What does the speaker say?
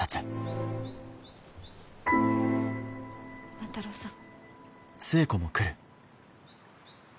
万太郎さん。